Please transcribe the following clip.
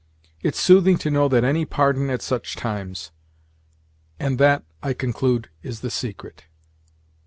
It's soothing to know that any pardon at such times; and that, I conclude, is the secret.